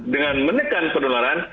dengan menekan penularan